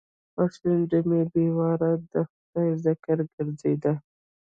پر شونډو مې بې واره د خدای ذکر ګرځېده.